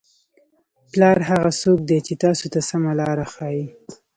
پلار هغه څوک دی چې تاسو ته سمه لاره ښایي.